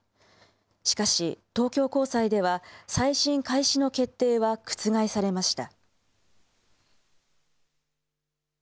しかし、東京高裁では再審開始の決定は覆されました。